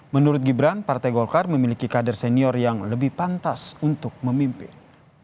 menurut gibran partai golkar memiliki kader senior yang lebih pantas untuk memimpin